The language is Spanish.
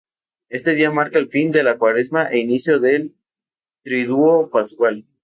Este día marca el fin de la Cuaresma e inicio del Triduo Pascual.